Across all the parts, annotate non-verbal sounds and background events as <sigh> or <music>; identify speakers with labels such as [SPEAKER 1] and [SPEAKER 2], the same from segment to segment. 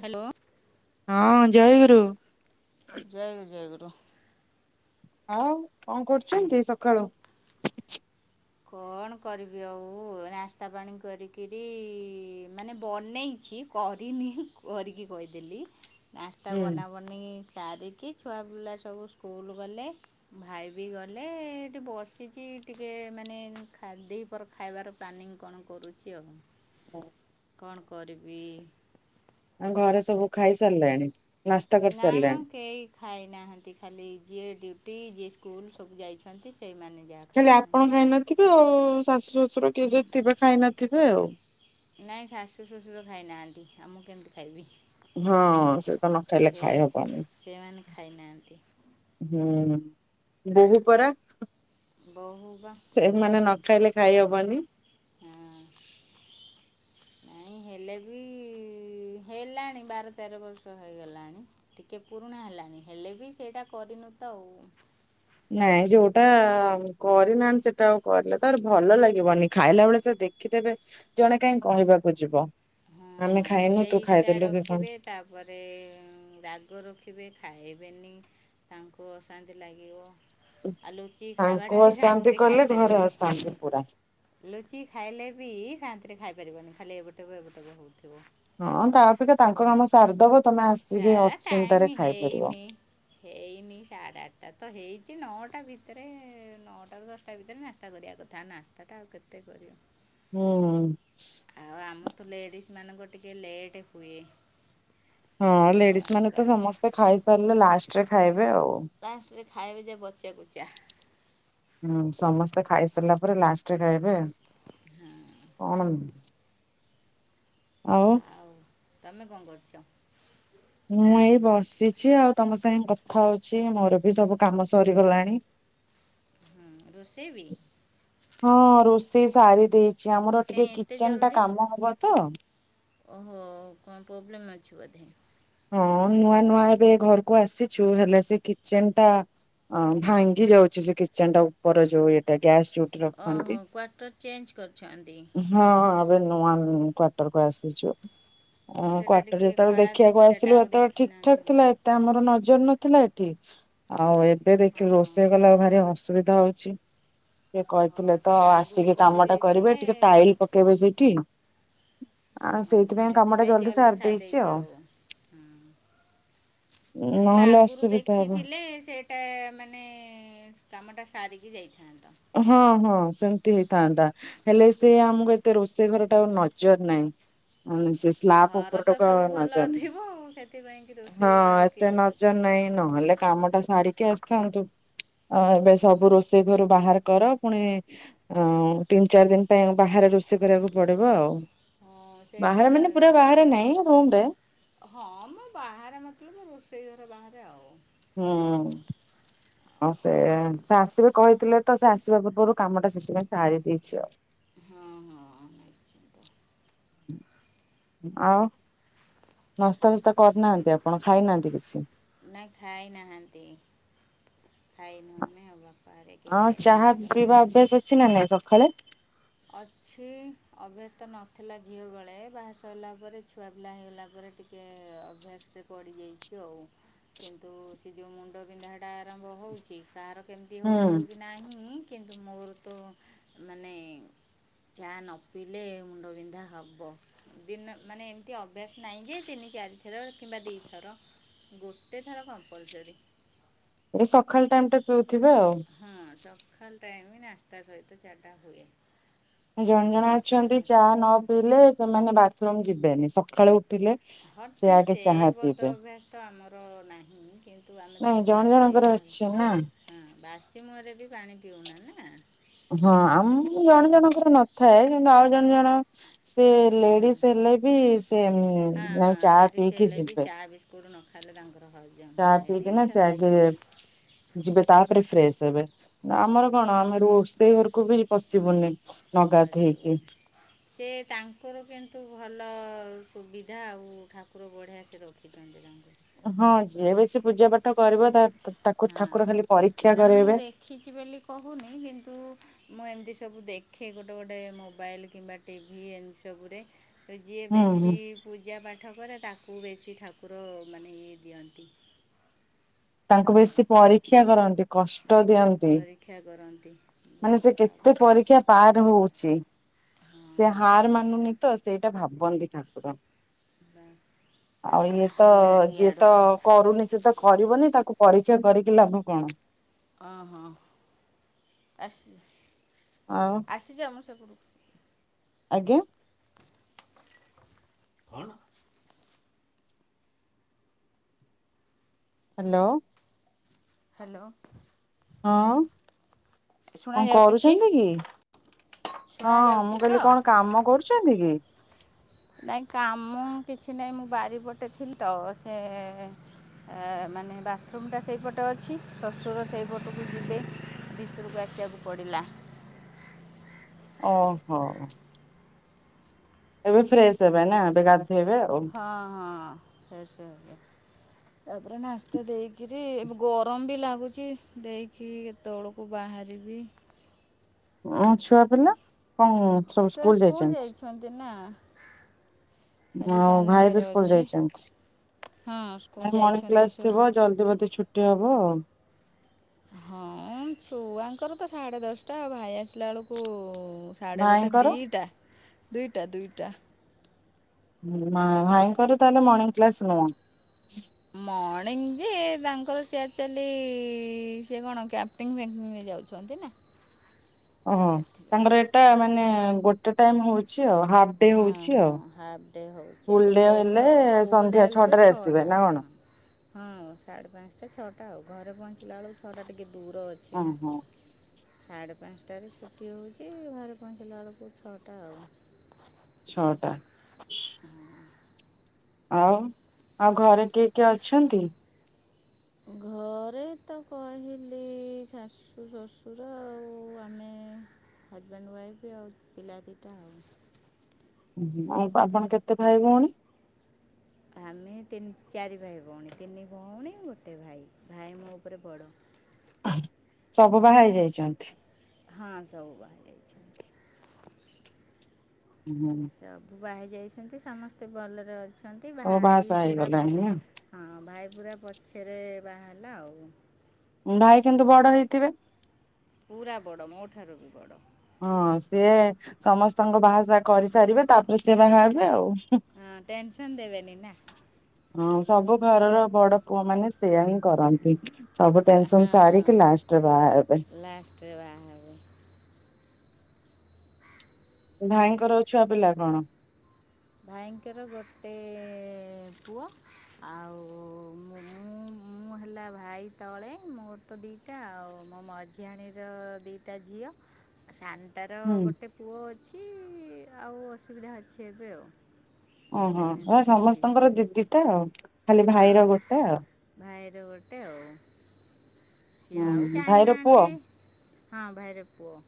[SPEAKER 1] Hello
[SPEAKER 2] ହଁ ଜୟଗୁରୁ।
[SPEAKER 1] ଜୟ ଗୁରୁ ଜୟଗୁରୁ।
[SPEAKER 2] ଆଉ କଣ କରୁଛନ୍ତି ସକାଳୁ?
[SPEAKER 1] କଣ କରିବି ଆଉ ନାସ୍ତା ପାଣି କରିକିରି ମାନେ ବନେଇଛି କିଛି କରିନି କରିକି କହିଦେଲି ନାସ୍ତା
[SPEAKER 2] ହୁଁ
[SPEAKER 1] ବନାବନି ସାରିକି ଛୁଆପିଲା ସବୁ ସ୍କୁଲ ଗଲେ ଭାଇ ବି ଗଲେ ଏଠି ବସିଛି। ଟିକେ ମାନେ ଖା ଦପହର ଖାଇବାର ପ୍ଲାନିଂ କଣ କରୁଛି ଆଉ।
[SPEAKER 2] ହୁଁ।
[SPEAKER 1] କଣ କରିବି।
[SPEAKER 2] ଆଉ ଘରେ ସବୁ ଖାଇ ସାରିଲାଣି?
[SPEAKER 1] ନାମ କେହି ଖାଇ ନାହାନ୍ତି ଖାଲି ଯିଏ <unintelligible> ଯିଏ ସ୍କୁଲ ସବୁ ଯାଇଛନ୍ତି ସେଇମାନେ ଯାହା
[SPEAKER 2] ଖାଲି ଆପଣ
[SPEAKER 1] ଖାଇଛନ୍ତି।
[SPEAKER 2] ଖାଇ ନଥିବେ ଆଉ ଶାଶୁ ଶ୍ୱଶୁର କିଏ ଯ ଥିବେ ଖାଇ ନଥିବେ ଆଉ।
[SPEAKER 1] ଆ ମୁଁ କେମିତି ଖାଇବି।
[SPEAKER 2] ହଁ ସେ ତ ନ ଖାଇଲେ
[SPEAKER 1] ସେ
[SPEAKER 2] ଖାଇ ହବନି
[SPEAKER 1] ସେମାନେ ଖାଇନାହାନ୍ତି
[SPEAKER 2] ହୁଁ। ବୋହୂ ପରା
[SPEAKER 1] ବହୁବା।
[SPEAKER 2] ସେମାନେ ନ ଖାଇଲେ ଖାଇ ହବନି
[SPEAKER 1] ନାଇଁ ହେଲେ ବି ହେଲାଣି ବାର ତେର ବର୍ଷ ହେଇଗଲାଣି ଟିକେ ପୁରୁଣା ହେଲାଣି ହେଲେ ବି ସେଇଟା କରି ତିନ ତଉ
[SPEAKER 2] ନାଇଁ ଯୋଉଟା କରିନାହାନ୍ତି ସେଟା ଆଉ କରିଲେ ତର ଭଲ ଲାଗିବନି ଖାଇଲା ବେଳେ ସେ ଦେଖିଦେବେ ଜଣେ କାଇଁ କହିବାକୁ ଯିବ। ଆମେ
[SPEAKER 1] ହଁ
[SPEAKER 2] ଖାଇନୁ ତୁ
[SPEAKER 1] ହେଇସା
[SPEAKER 2] ଖାଇଦେଲୁ କି କଣ
[SPEAKER 1] ରଖିବେ ତାପରେ ରାଗ ରଖିବେ ଖାଇବେ ବେନି ତାଙ୍କୁ ଅଶାନ୍ତି ଲାଗିବ। ଆଉ ଲୁଚି ଖାଇବାଟା
[SPEAKER 2] ତାଙ୍କୁ
[SPEAKER 1] ବି
[SPEAKER 2] ଅଶାନ୍ତି
[SPEAKER 1] ଶାନ୍ତିରେ
[SPEAKER 2] କଲେ ଘରେ
[SPEAKER 1] ଖାଇପାରିବନି
[SPEAKER 2] ଅଶାନ୍ତି ପୁରା।
[SPEAKER 1] ଲୁଚି ଖାଇଲେ ବି ଶାନ୍ତିରେ ଖାଇ ପାରିବନି ଖାଲି ଏବଟେବ ଏବଟେ ବ ହଉଥିବ।
[SPEAKER 2] ହଁ ତା ଅପେକ୍ଷା ତାଙ୍କ କାମ ସାରଦବ
[SPEAKER 1] <unintelligible> ଟାଇମି ହେଇନି-ହେଇନି ସାଢ଼େ ଆଠଟା ତ ହେଇଛି ନଅଟା ଭିତରେ ନଅଟାରୁ ଦଶଟା ଭିତରେ ନାସ୍ତା କରିବା କଥା ନାସ୍ତାଟା ଆଉ କେତେ କରିବ।
[SPEAKER 2] ହୁଁ।
[SPEAKER 1] ଆଉ ଆମ ତ ଲେଡିସ ମାନଙ୍କ ଟିକେ ଲେଟ୍ ହୁଏ। ସ୍ତ୍ରୀ
[SPEAKER 2] ହଁ ଲେଡିସ୍ ମାନେ
[SPEAKER 1] ଲୋକମାନଙ୍କର
[SPEAKER 2] ତ ସମସ୍ତେ ଖାଇସାରିଲେ ଲାଷ୍ଟରେ ଖାଇବେ ଆଉ।
[SPEAKER 1] ଲାଷ୍ଟରେ ଖାଇବି ଯା ବସିଆ କୁଚା
[SPEAKER 2] ହୁଁ ସମସ୍ତେ ଖାଇସାରିଲା ପରେ ଲାଷ୍ଟରେ ଖାଇବେ କଣ। ଆଉ।
[SPEAKER 1] <unintelligible> କଣ କରୁଚ?
[SPEAKER 2] ମୁଁ ଏଇ ବସିଛି ଆଉ ତମ ସାଙ୍ଗେ କଥା ହଉଛି ମୋର ବି ସବୁ କାମ ସରିଗଲାଣି।
[SPEAKER 1] ହୁଁ, ରୋଷେଇ ବି
[SPEAKER 2] ହଁ ରୋଷେଇ ସାରି ଦେଇ ଆମର
[SPEAKER 1] କାଇଁ
[SPEAKER 2] ଟିକେ
[SPEAKER 1] ଏତେ
[SPEAKER 2] କିଚେନ ଟା
[SPEAKER 1] ଜଲ୍ଦି
[SPEAKER 2] କାମ ହବ ତ।
[SPEAKER 1] ଓହୋ କଣ ପ୍ରୋବ୍ଲେମ୍ ଅଛି ବୋଧେ।
[SPEAKER 2] ହଁ ନୂଆ ନୂଆ ଏବେ ଘରକୁ ଆସିଛୁ ହେଲେ ସେ କିଚେନ ଟା ହଁ ଭାଙ୍ଗି ଯାଉଛି ସେ କିଚେନ ଟା ଉପର ଯୋଉ ଏଇଟା ଗ୍ୟାସ ରଖନ୍ତି
[SPEAKER 1] ଓହୋ କ୍ଵାଟର ଚେଞ୍ଜ କରିଛନ୍ତି।
[SPEAKER 2] ହଁ ଏବେ ନୂଆ ଉଁ--କ୍ଵାଟର କୁ ଆସିଚୁ।
[SPEAKER 1] ଓ
[SPEAKER 2] ଉଁ
[SPEAKER 1] ସେଇଟା
[SPEAKER 2] କ୍ଵାଟର
[SPEAKER 1] ଟିକେ
[SPEAKER 2] ରେ ତ
[SPEAKER 1] ଖରାପ
[SPEAKER 2] ଦେଖି
[SPEAKER 1] ଥିବ
[SPEAKER 2] ଖିଆକୁ
[SPEAKER 1] ସେଇଟା
[SPEAKER 2] ଆସିଲୁ
[SPEAKER 1] ଆଉ
[SPEAKER 2] ହେତେବେଳେ
[SPEAKER 1] ଦେଖିନାହାନ୍ତି
[SPEAKER 2] ଠିକଠାକ୍ ଥିଲା, ଏତେ ଆମ ର ନଜର ନଥିଲା ଏଠି। ଆଉ ଏବେ ଦେଖିଲୁ
[SPEAKER 1] ହଁ
[SPEAKER 2] ରୋଷେଇ କଲାବେଳକୁ ଭାରି ଅସୁବିଧା ହଉଛି। ସେ
[SPEAKER 1] ହଁ
[SPEAKER 2] କହିଥିଲେ ତ
[SPEAKER 1] ସେଇଟା ଆଗରୁ
[SPEAKER 2] ଆସିକି କାମ ଟା କରିବେ
[SPEAKER 1] କହିଦେଇଥିଲେ
[SPEAKER 2] ଟିକେ ଟାଇଲ ପକେଇବେ ସେଇଠି। ଆଉ ସେଇଥିପାଇଁ କାମଟା ଜଲ୍ଦି ସାରି ଦେଇଛି ଆଉ।
[SPEAKER 1] ହଁ ମୁଁ
[SPEAKER 2] ନହେଲେ
[SPEAKER 1] ଆଗରୁ
[SPEAKER 2] ଅସୁବିଧା ହବ।
[SPEAKER 1] ଦେଖିଥିଲେ ସେଇଟା ମାନେ କାମଟା ସାରିକି ଯାଇଥାନ୍ତ।
[SPEAKER 2] ହଁ ହଁ ସେମିତି ହେଇଥାନ୍ତା ହେଲେ ସେ ଆମକୁ ଏତେ ରୋଷେଇ ଘରଟା ଆଉ ନଜର ନାହିଁ। <inaudible> ହଁ ସେ ସାଲ୍ପ
[SPEAKER 1] ଘର ତ
[SPEAKER 2] ଉପରଟା କୁ ଆଉ
[SPEAKER 1] ସବୁ ଭଲ
[SPEAKER 2] ନଜର
[SPEAKER 1] ଥିବ ଆଉ ସେଥିପାଇଁ କି ରୋଷେଇ
[SPEAKER 2] ହଁ
[SPEAKER 1] ଘର ଆଉ କିଏ
[SPEAKER 2] ଏତେ
[SPEAKER 1] ଦେଖୁଛି
[SPEAKER 2] ନଜର ନାଇଁ। ନହେଲେ କାମ ଟା ସାରିକି ଆସିଥାନ୍ତୁ ଅ ଏବେ
[SPEAKER 1] ଭଲ
[SPEAKER 2] ସବୁ ରୋଷେଇ
[SPEAKER 1] ହେଇଥାନ୍ତା
[SPEAKER 2] ଘରୁ ବାହାର। କର ପୁଣି ଅ ତିନି ଚାରି ଦିନ ପାଇଁ ବାହାରେ ରୋଷେଇ କରିବାକୁ। ପଡିବ ଆଉ
[SPEAKER 1] ହଁ
[SPEAKER 2] ବାହାରେ
[SPEAKER 1] ସେଇଟା
[SPEAKER 2] ମାନେ ପୁରା ବାହାରେ
[SPEAKER 1] ସେ
[SPEAKER 2] ନାଇଁ ରୁମରେ।
[SPEAKER 1] ହଁ ମ ବାହାରେ ମତଲବ ରୋଷେଇ ଘର ବାହାରେ ଆଉ।
[SPEAKER 2] ହୁଁ। ହଁ ସେଇଆ ସେ ଆସିବେ କହିଥିଲେ ତ ସେ ଆସିବା ପୂର୍ବରୁ କାମଟା ସେଥିପାଇଁ ସାରି ଦେଇଛି ଆଉ।
[SPEAKER 1] ହଁ ହଁ ନିଶ୍ଚିନ୍ତ।
[SPEAKER 2] ଆଉ। ନାସ୍ତା ଫାସ୍ତା କରିନାହାଁନ୍ତି ଆପଣ ଖାଇନାହାଁନ୍ତି କିଛି।
[SPEAKER 1] ନା ଖାଇ ନାହାଁନ୍ତି। ଖାଇନୁ ଆମେ ଆଉ ବାପା ହେରୀକା କିଏ
[SPEAKER 2] ହଁ
[SPEAKER 1] ଖାଇ
[SPEAKER 2] ଚାହା
[SPEAKER 1] ନାହାନ୍ତି ତ ଆମେ
[SPEAKER 2] ପିଇବା
[SPEAKER 1] ଖାଇନୁ।
[SPEAKER 2] ଅଭ୍ୟାସ ଅଛି ନା ନାଇଁ ସକାଳେ?
[SPEAKER 1] ଅଛି ଅଭ୍ୟସ୍ତ ନଥିଲା ଝିଅ ବେଳେ ବାହା ସରିଲା ପରେ ଛୁଆ ପିଲା ହେଇଗଲା ପ ରେ ଟିକେ ଅଭ୍ୟାସରେ ପଡ଼ିଯାଇଚୁ ଆଉ। କିନ୍ତୁ ସେ ଯୋଉ ମୁଣ୍ଡ ବିିନ୍ଧା ଟା ଆରମ୍ଭ ହଉଛି କାହାର। କେମିତି
[SPEAKER 2] ହୁଁ
[SPEAKER 1] ହଉଥିବ କି ନାହିଁ କିନ୍ତୁ ମୋର ତ ମାନେ।
[SPEAKER 2] <inaudible>
[SPEAKER 1] ଚା ନ ପିଇଲେ ମୁଣ୍ଡବିନ୍ଧା ହବ ଦିନ ମାନେ ଏମିତି ଅଭ୍ୟାସ ନାହିଁ ଯେ ତିନି ଚାର ଥର କିମ୍ବା ଦିଥର ଗୋଟେ ଥର କମ୍ପଲସରୀ।
[SPEAKER 2] ଏ ସକାଳ ଟାଇମ ଟା ପିଉ
[SPEAKER 1] ହଁ ସକାଳ ଟାଇମ ନାସ୍ତା ସହିତ ଚା ଟା ହୁଏ।
[SPEAKER 2] ଜଣେ ଜଣେ
[SPEAKER 1] ଜଳଖିଆ
[SPEAKER 2] ଅଛନ୍ତି
[SPEAKER 1] କରେ
[SPEAKER 2] ଚାହା ନ ପିଇଲେ ସେମାନେ ବାଥରୁମ ଯିବେନି ସକାଳୁ। ଉଠିଲେ
[SPEAKER 1] ହଟାଇଁ
[SPEAKER 2] ଆଗେ
[SPEAKER 1] ସେ
[SPEAKER 2] ଚାହା
[SPEAKER 1] ବଦ
[SPEAKER 2] ପିଇବେ
[SPEAKER 1] ଅଭ୍ୟାସ ତ ଆମର ନାହିଁ କି କିନ୍ତୁ ଆମେ ତ
[SPEAKER 2] ନାଇଁ ଜଣେ
[SPEAKER 1] ବାସି
[SPEAKER 2] ଜଣଙ୍କର
[SPEAKER 1] ମୁହଁ
[SPEAKER 2] ଅଛି ନା।
[SPEAKER 1] ହଁ ବାସି ମୁହଁରେ ବି ପାଣି ପିଉନା ନା।
[SPEAKER 2] ହଁ ଆମ ଜଣେ ଜଣଙ୍କର ନଥାଏ। କିନ୍ତୁ ଆଉ ଜଣ ଜଣ ସେ ଲେଡିଜ ହେଲେ ବି ସେ ନାଇଁ ଚା ପିଇକି।
[SPEAKER 1] ଲେବି
[SPEAKER 2] ଯିବେ।
[SPEAKER 1] ଚା ବିସ୍କୁଟ ନ ଖାଇଲେ ତାଙ୍କର।
[SPEAKER 2] ଚା
[SPEAKER 1] ହଜମ
[SPEAKER 2] ପି
[SPEAKER 1] ହୁଏନି
[SPEAKER 2] କିନା ସେ
[SPEAKER 1] ତାପରେ
[SPEAKER 2] ଆଗେ। ଯିବେ ତାପରେ ଫ୍ରେଶ ହେବେ, ଆମର କଣ ଆମେ ରୋଷେଇ। ଭିତରକୁ ବି ପଶିବୁନି। ନଗାଧେଇକି।
[SPEAKER 1] ପସିବୁନି ସେ ତାଙ୍କର କିନ୍ତୁ ଭଲ। ସୁବିଧା ଆଉ ଠାକୁର ବଢ଼ିଆ ସେ ରଖିଛନ୍ତି ତାଙ୍କୁ।
[SPEAKER 2] ହଁ ଯିଏ ବେଶୀ ପୂଜା ପାଠ କରିବ ତା ତାକୁ
[SPEAKER 1] ହଁ
[SPEAKER 2] ଠାକୁର ଖାଲି ପରୀକ୍ଷା
[SPEAKER 1] କାରଣ ମୁଁ
[SPEAKER 2] କରାଇବେ।
[SPEAKER 1] ଦେଖିଛି ବୋଲି କହୁନି କିନ୍ତୁ। ମୁଁ ଏମିତି ସବୁ ଦେଖେ ଗୋଟେ ଗୋଟେ ମୋବାଇଲ୍ କିମ୍ବା ଟିଭି ଏମିତି ସବୁରେ। ଯିଏ
[SPEAKER 2] ହୁଁ ହୁଁ
[SPEAKER 1] ବେଶୀ ପୂଜା ପା ଠକରେ ତାକୁ ବେଶୀ ଠାକୁର ମାନେ ଇଏ ଦିଅନ୍ତି।
[SPEAKER 2] ତାଙ୍କୁ ବେଶୀ ପରୀକ୍ଷା କରନ୍ତି କଷ୍ ଷ୍ଟ ଦିଅନ୍ତି
[SPEAKER 1] ପରୀକ୍ଷା କରନ୍ତି
[SPEAKER 2] ମାନେ ସେ କେତେ
[SPEAKER 1] ବାପା
[SPEAKER 2] ପରୀକ୍ଷା ପାର ହଉଛି। ସେ ହାର ମାନୁନି ତ ସେଇଟା ଭାବନ୍ତି ଠାକୁର। ଆଉ ଇଏ
[SPEAKER 1] ବାପା
[SPEAKER 2] ତ
[SPEAKER 1] ହେଲେଣି
[SPEAKER 2] ଯିଏ ତ
[SPEAKER 1] ଇଆଡ଼କୁ
[SPEAKER 2] କରୁନି ସିଏ ତ କରିବନି। ତାକୁ ପରୀକ୍ଷା କରିକି ଲାଭ କଣ।
[SPEAKER 1] ଓହୋ ଆସି
[SPEAKER 2] ଆଉ
[SPEAKER 1] ଆସିଚ ମୁଁ ସେ ଘରୁ।
[SPEAKER 2] ଆଜ୍ଞା।
[SPEAKER 1] କ?
[SPEAKER 2] ହାଲୋ।
[SPEAKER 1] ହାଲୋ।
[SPEAKER 2] ହଁ କଣ
[SPEAKER 1] ଶୁଣାଯାଉଛି
[SPEAKER 2] କରୁଛନ୍ତି କି? ହଁ
[SPEAKER 1] ଶୁଣାଯାଉଛି
[SPEAKER 2] ମୁଁ କହିଲି
[SPEAKER 1] ତ
[SPEAKER 2] କଣ କାମ କରୁଛନ୍ତି କି?
[SPEAKER 1] ନାଇଁ କାମ କିଛି ନାଇଁ ମୁଁ ବାରି ପଟେ ଥିଲି ତ ସେ ମାନେ ବାଥରୁମଟା ସେଇପଟେ ଅଛି ଶଶୁର ସେଇପଟକୁ ଯିବେ। ଭିତରକୁ ଆସିବାକୁ ପଡ଼ିଲା।
[SPEAKER 2] ଓ ହୋ। ଏବେ ଫ୍ରେଶ ହେବେ ନା ଏବେ ଗା
[SPEAKER 1] ହଁ ହଁ ସେ ସେ। ତାପରେ ନାସ୍ତା ଦେଇକିରି ଗରମ ବି ଲାଗୁ ଭାଗୁଛି ଦେଇକି କେତେବେଳକୁ ବାହାରିବି?
[SPEAKER 2] ଛୁଆ ପିଲା କଣ ସବୁ ସ୍କୁଲ ଯାଇଛନ୍ତି?
[SPEAKER 1] ଆଜି
[SPEAKER 2] ଆଉ ଭାଇ ବି
[SPEAKER 1] ଶନିବାର
[SPEAKER 2] ସ୍କୁଲ
[SPEAKER 1] ଅଛି
[SPEAKER 2] ଯାଇଛନ୍ତି।
[SPEAKER 1] ହଁ ସ୍କୁଲ
[SPEAKER 2] ମଣିଙ୍ଗ
[SPEAKER 1] ଯାଇଛନ୍ତି
[SPEAKER 2] କ୍ଲାସ
[SPEAKER 1] ଛୁ-
[SPEAKER 2] ଥିବ ଜଲଦି ବୋଧେ ଛୁଟି ହବ ଆ
[SPEAKER 1] ହଁ ଛୁଆଙ୍କର ତ ସାଢ଼େ ଦଶଟା ଆଉ ଭାଇ ଆସିଲା ବେଳକୁ ସାଢ଼େ ଗୋଟେ
[SPEAKER 2] ଭାଇଙ୍କର
[SPEAKER 1] ଦିଟା ଦୁଇଟା ଦୁଟା।
[SPEAKER 2] ଭାଇଙ୍କର ତାହେଲେ ମର୍ଣ୍ଣିଂ କ୍ଲାସ ନୁହଁ।
[SPEAKER 1] ମଣିଙ୍ଗ ଯେ ତାଙ୍କ ର ସିଆ ଚାଲି ସେ କ୍ୟାପିଙ୍ଗ ଫ୍ୟକିଙ୍ଗ ରେ ଯାଉଛନ୍ତି ନା।
[SPEAKER 2] ଓହୋ
[SPEAKER 1] ସେଥିପାଇଁ
[SPEAKER 2] ତାଙ୍କର ଏଇଟା ମାନେ ଗୋଟେ ଟାଇମ ହଉଛି ଆଉ। ହାଫ୍ ଡେ
[SPEAKER 1] ହଁ
[SPEAKER 2] ହଉଛି
[SPEAKER 1] ହଁ
[SPEAKER 2] ଆଉ।
[SPEAKER 1] ହାଫ ଡେ ହଉଛି ଆ
[SPEAKER 2] ଫୁଲ
[SPEAKER 1] ସେଇ
[SPEAKER 2] ଡେ
[SPEAKER 1] ଟାଇପରେ
[SPEAKER 2] ହେଲେ
[SPEAKER 1] ଆଉ ଫୁଲ ଡେ
[SPEAKER 2] ସନ୍ଧ୍ୟା
[SPEAKER 1] ହେଲେ ତ
[SPEAKER 2] ଛଅଟାରେ ଆସିବେ
[SPEAKER 1] ଛଅଟା
[SPEAKER 2] ନା କଣ?
[SPEAKER 1] ହଁ। ହଁ ସାଢ଼େ ପାଞ୍ଚଟା ଛଅଟା ଆଉ। ଘରେ ପହଞ୍ଚିଲା ବେଳକୁ ଛଅଟା ଟିକେ ଦୂର ଅଛି ନା।
[SPEAKER 2] ଓହୋ
[SPEAKER 1] ସାଢ଼େ ପାଞ୍ଚଟାରେ ଛୁଟି ହେଉଛି ଘରେ ପହଞ୍ଚିଲା ବେଳକୁ ଛଅଟା ଆଉ।
[SPEAKER 2] ଛଅଟା।
[SPEAKER 1] <inaudible>
[SPEAKER 2] ଆଉ ଆଉ ଘରେ କିଏ କିଏ ଅଛନ୍ତି?
[SPEAKER 1] ଘ ରେ ତ କହିଲି ଶାଶୁ, ଶ୍ୱଶୁର ଆଉ ଆମେ ହଜବ୍ୟାଣ୍ଡ, ୱାଇଫ୍ ଆଉ ପିଲା ଦୁଇଟା ଆଉ।
[SPEAKER 2] ଆଉ ଆପଣ କେତେ ଭାଇ ଭଉଣୀ?
[SPEAKER 1] ଭଉଣୀ ତିନି ଚାରି ଭାଇ ଭଉଣୀ ତିନି ଭଉଣୀ ଗୋଟେ ଭାଇ ଭାଇ ମୋ ଉପରେ ବଡ଼।
[SPEAKER 2] ସବୁ ବାହା ହେଇ ଯାଇଛନ୍ତି?
[SPEAKER 1] ହଁ ସବୁ ବହାହେଇଯାଇଛନ୍ତି।
[SPEAKER 2] ହଁ ହୁଁ।
[SPEAKER 1] ବାହା ହେଇଛନ୍ତି ସମସ୍ତେ ଭଲରେ ଅଛନ୍ତି
[SPEAKER 2] ସବୁ
[SPEAKER 1] ଭାଇ
[SPEAKER 2] ବାହାସାହା
[SPEAKER 1] ପୁରା ପ
[SPEAKER 2] ହେଇଗଲାଣି ନା?
[SPEAKER 1] ହଁ ଭାଇ ପୁରା ପଛରେ ବାହା ହେଲା ଆଉ।
[SPEAKER 2] ଭାଇ କିନ୍ତୁ ବଡ ହେଇଥିବେ।
[SPEAKER 1] ପୁରା ବଡ଼ ମୋ ଠାରୁ ବି ବଡ଼।
[SPEAKER 2] ହଁ ସିଏ ସମସ୍ତଙ୍କ ବାହାସାହା କରିସାରିବେ ତାପରେ ସିଏ ବାହା ହେବେ ଆଉ।
[SPEAKER 1] ହଁ ଟେନସନ ଦେବେନି ନା।
[SPEAKER 2] ହଁ ସବୁ ଘରର ବଡ ପୁଅ ମାନେ ସେୟଆ ହିଁ କରନ୍ତି। ସବୁ ଟେନସନ ସାରିକି
[SPEAKER 1] ହଁ
[SPEAKER 2] ଲାଷ୍ଟରେ ବାହାହେବେ।
[SPEAKER 1] ଲାଷ୍ଟରେ ବାହା ହେବେ
[SPEAKER 2] ଭାଇଙ୍କର ଛୁଆ ପିଲା କଣ?
[SPEAKER 1] ଭାଇଙ୍କର ଗୋଟେ ପୁଅ ଆଉ ମୁଁ ମୁଁ ହେଲା ଭାଇ ତଳେ ମୋର ତ ଦିଇଟା ଆଉ ମୋ ମଝିଆଣୀର ଦିଇଟା ଝିଅ। ଦିଅ ସାନଟାର
[SPEAKER 2] ହୁଁ
[SPEAKER 1] ଗୋଟେ ପୁଅ ଅଛି ଆଉ ଅସୁବିଧା ଅଛି ଏବେ ଆଉ।
[SPEAKER 2] ଓହୋ ହେ
[SPEAKER 1] ପ୍ରେଗନେଣ୍ଟ ଅଛି
[SPEAKER 2] ସମସ୍ତଙ୍କର ଦିଦିଟା ଆଉ ଖାଲି ଭାଇର ଗୋଟେ ଆଉ।
[SPEAKER 1] ଯୋଉ ଗୋଟେ ଆଉ। ସିଏ
[SPEAKER 2] ଉହୁଁ
[SPEAKER 1] ଆଉ
[SPEAKER 2] ଭାଇର ପୁଅ?
[SPEAKER 1] ଚାହିଁନାହାନ୍ତି ହଁ ଭାଇର ପୁଅ।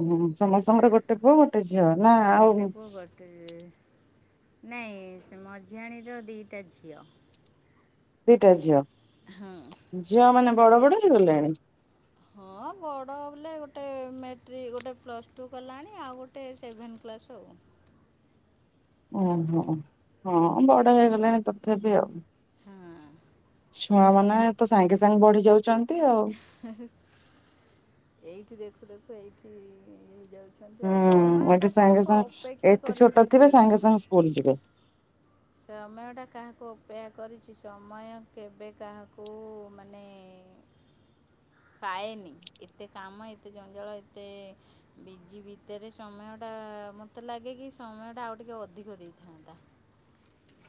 [SPEAKER 2] ଉଁ ସମସ୍ତଙ୍କର ଗୋଟେ ପୁଅ ଗୋଟେ ଝିଅ ନା ଆଉ
[SPEAKER 1] ଗୋଟେ ପୁଅ ଗୋଟେ ନାଇଁ ସେ ମଝିଆଣୀର ଦିଇଟା ଝିଅ।
[SPEAKER 2] ଦିଇଟା ଝିଅ
[SPEAKER 1] ହଁ
[SPEAKER 2] ଝିଅମାନେ ବଡ ବଡ ହେଇଗଲେଣି?
[SPEAKER 1] ହଁ ବଡ଼ ବୋଲେ ଗୋଟେ ମେଟ୍ରିକ-ଗୋଟେ ପ୍ଲସ୍ ଟୁ କଲାଣି ଆଉ ଗୋଟେ ସେଭେନ୍ ପ୍ଲାସ୍ ଆଉ।
[SPEAKER 2] ହ ଓହୋ ହଁ ବଡ ହେଇଗଲେଣି ତଥାପି ଆଉ।
[SPEAKER 1] ହଁ
[SPEAKER 2] ଛୁଆମାନେ ତ ସାଙ୍ଗେ ସାଙ୍ଗେ ବଢି ଯାଉଚନ୍
[SPEAKER 1] ଇ ହି ହି ଏଇଠି ଦେଖୁ ଦେଖୁ ଏଇଠି ଇଏ ହେଯାଉ
[SPEAKER 2] ହୁଁ ଏଠୁ ସାଙ୍ଗେ ସାଙ୍ଗେ ଏତେ
[SPEAKER 1] କରିଛି
[SPEAKER 2] ଛୋଟ
[SPEAKER 1] କି
[SPEAKER 2] ଥିବେ ସାଙ୍ଗେ ସାଙ୍ଗେ ସ୍କୁଲ ଯିବେ।
[SPEAKER 1] ସମୟଟା କାହାକୁ ଅପେକ୍ଷା କରିଚି ସମୟ କେବେ କାହାକୁ ମାନେ ପାଏନି ଏତେ କାମ, ଏତେ ଜଞ୍ଜାଳ, ଏତେ ବିଜି ଭିତରେ ସମୟଟା ଆ ମତେ ଲାଗେକି ସମୟଟା ଆଉ ଟିକେ ଅଧିକ ଦେଇଥାନ୍ତା।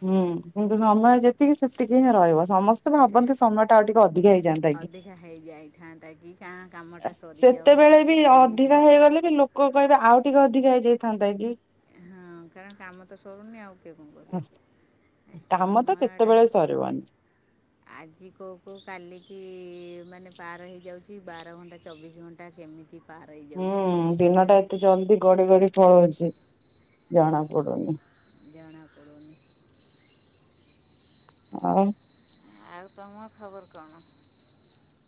[SPEAKER 2] ହୁଁ କିନ୍ତୁ ସମୟ ଯେତିକି ସେତିକି ହିଁ ରହିବ ସ୍ ସମସ୍ତେ
[SPEAKER 1] ସେ
[SPEAKER 2] ଭାବନ୍ତି ସମୟଟା ଆଉ ଟିକେ ଅଧିକା ହେଇଯାଆନ୍ତା କି
[SPEAKER 1] ଅଧିକା ହେଇଯାଇଥାନ୍ତା କି କାଁ
[SPEAKER 2] ସେ
[SPEAKER 1] କାମଟା ସରିଯାଉ
[SPEAKER 2] ସେତେବେଳେ ବି
[SPEAKER 1] ଏ ଜିନିଷ
[SPEAKER 2] ଅଧିକା ହେଇଗଲେ ବି ଲୋକ କହିବେ ଆଉ ଟିକେ ଅଧିକ ହେଇଯାଇଥାନ୍ତା କି।
[SPEAKER 1] ହଁ କାରଣ କାମ ତ ସରୁନି ଆଉ କିଏ କ'ଣ କରିବ ଏ
[SPEAKER 2] କାମ ତ
[SPEAKER 1] ସମୟଟା
[SPEAKER 2] କେତବେଳେ ସରିବନି।
[SPEAKER 1] ଆଜି କୋଉ କୋଉ କାଲିକି ଇ ମାନେ ପାର ହେଇଯାଉଛି ବାର ଘଣ୍ଟା ଚବିଶି ଘଣ୍ଟା କେମିତି ପାର
[SPEAKER 2] ହୁଁ
[SPEAKER 1] ହେଇଯାଉଛି
[SPEAKER 2] ଦିନଟା ଏତେ ଜଲଦି ଗଡି ଗଡି ଫଳୋଉଚି ଜଣାପଡୁନି।
[SPEAKER 1] ଜଣାପଡ଼ୁନି।
[SPEAKER 2] ଆଉ?
[SPEAKER 1] ଆଉ ତମ ଖବର କଣ?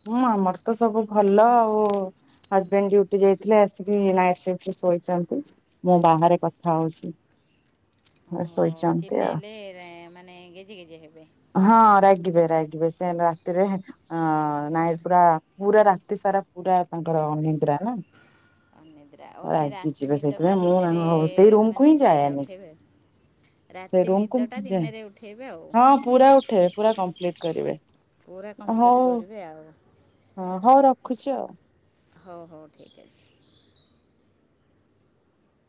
[SPEAKER 2] ହୁଁ ଆମର ତ ସବୁ ଭଲ ଆଉ ହଜବେଣ୍ଡ ଡ୍ୟୁଟି ଯାଇଥିଲେ ଆସିକି ନାଇଟ ସିଫଟରେ ଶୋଇଚନ୍ତି ମୁଁ ବାହାରେ କଥା ହୋଉଛି।
[SPEAKER 1] ଓହୋ ଚିଲେଇଲେ ରେ-ମାନେ ଗେଜେ ଗେଜେ ହେବେ।
[SPEAKER 2] ହଁ ରାଗିବେ ରାଗିବେ ସେ ରାତିରେ ଅ ନାଇଁ ପୁରା ପୁରା ରାତି ସାରା ପୁରା ତାଙ୍କର ଅନିନ୍ଦ୍ରା ନା।
[SPEAKER 1] ନିିଦ୍ରା ଆଉ ସେ
[SPEAKER 2] ରାଗି
[SPEAKER 1] ରାତି
[SPEAKER 2] ଯିବେ
[SPEAKER 1] ନିଦଟା
[SPEAKER 2] ସେଇଥିପାଇଁ ମୁଁ
[SPEAKER 1] ଦିନରେ
[SPEAKER 2] ତାଙ୍କ
[SPEAKER 1] ମାନେ ଫାଇଦା ଉଠାଇବେ।
[SPEAKER 2] ସେ ରୁମକୁ ମୁଁ ଯାଏଁ
[SPEAKER 1] ଆଉ
[SPEAKER 2] ହଁ ପୁରା ଉଠେଇବେ ପୁରା କମ୍ପଲିଟ୍ କରିବେ।
[SPEAKER 1] ପୁରା କମ୍ପଲିଟ୍
[SPEAKER 2] ହଉ
[SPEAKER 1] କରିବେ ଆ
[SPEAKER 2] ହଁ ହୋଉ ରଖୁଚି ଆଉ।
[SPEAKER 1] ହୋଉ ହୋଉ ଠିକ୍ ଅଛି।